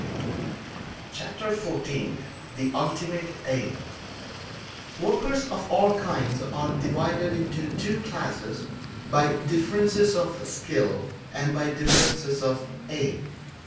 Chapter XIV The Ultimate Aim Workers of all kinds are divided into two classes by differences of skill and by differences of aim.